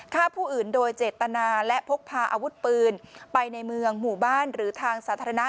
ฆ่าผู้อื่นโดยเจตนาและพกพาอาวุธปืนไปในเมืองหมู่บ้านหรือทางสาธารณะ